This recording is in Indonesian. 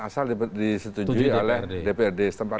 asal disetujui oleh dprd setempat